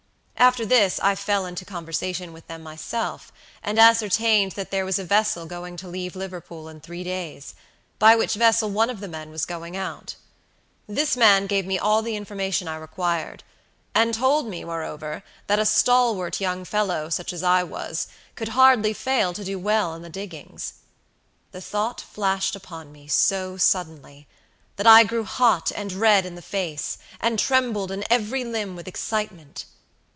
After this I fell into conversation with them myself, and ascertained that there was a vessel going to leave Liverpool in three days, by which vessel one of the men was going out. This man gave me all the information I required, and told me, moreover, that a stalwart young fellow, such as I was, could hardly fail to do well in the diggings. The thought flashed upon me so suddenly, that I grew hot and red in the face, and trembled in every limb with excitement.